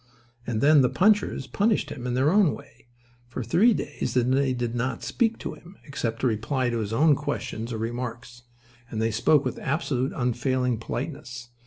And then the punchers punished him in their own way. For three days they did not speak to him, except to reply to his own questions or remarks. And they spoke with absolute and unfailing politeness.